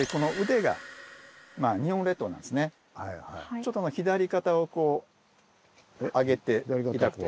ちょっと左肩をこう上げて頂くと。